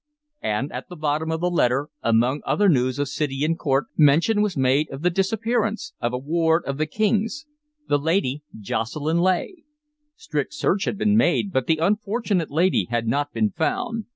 And at the bottom of the letter, among other news of city and court, mention was made of the disappearance of a ward of the King's, the Lady Jocelyn Leigh. Strict search had been made, but the unfortunate lady had not been found.